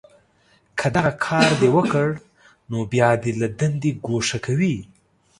که دغه کار دې وکړ، نو بیا دې له دندې گوښه کوي